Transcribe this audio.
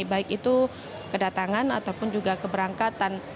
baik itu kedatangan ataupun juga keberangkatan